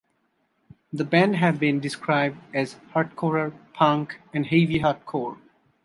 The band have been described as hardcore punk and heavy hardcore.